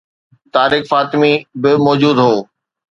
طارق فاطمي به موجود هو.